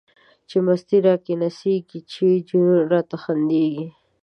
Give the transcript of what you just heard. چی مستی را کی نڅيږی، چی جنون را ته خنديږی